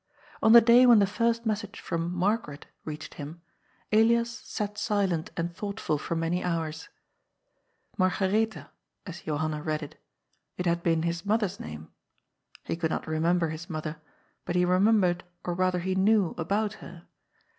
On the day when the first message from ^^ Margaret " reached him, Elias sat silent and thoughtful for many hours. ^' Margaretha," as Johanna read it. It had been his mother's name. He could not remember his mother, but he remem bered, or rather he knew, about her.